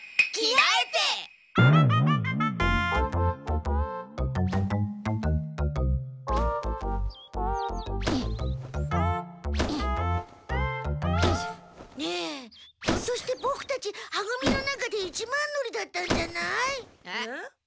ねえひょっとしてボクたちは組の中で一番乗りだったんじゃない？えっ？